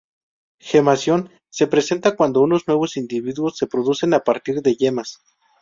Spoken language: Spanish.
Gemación: se presenta cuando unos nuevos individuos se producen a partir de yemas.